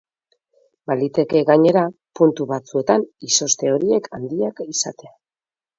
Baliteke, gainera, puntu batzuetan izozte horiek handiak izatea.